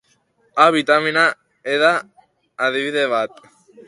A bitamina eda adibide bat.